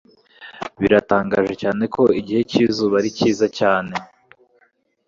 Biratangaje cyane ko igihe cyizuba ari cyiza cyane;